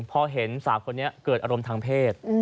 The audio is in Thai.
พอเห็นสาวคนนี้เกิดอารมณ์ทางเพศ